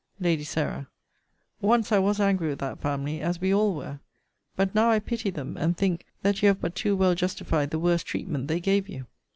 Lady Sarah. Once I was angry with that family, as we all were. But now I pity them; and think, that you have but too well justified the worse treatment they gave you.